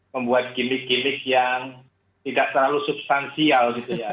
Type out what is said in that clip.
membuat gimmick gimmick yang tidak terlalu substansial